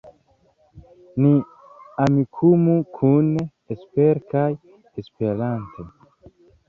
Ni Amikumu kune, espere kaj Esperante.